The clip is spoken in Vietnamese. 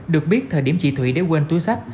được biết thời điểm chị thủy đế quên túi sách